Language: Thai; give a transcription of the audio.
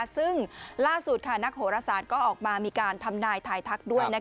ซึ่งล่าสุดนักโหรศาสตร์ก็ออกมามีการทำนายทายทักด้วย